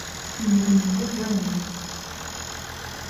Мне до него дела нет.